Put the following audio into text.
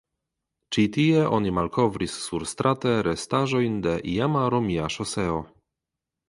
Ĉi tie oni malkovris surstrate restaĵojn de iama romia ŝoseo.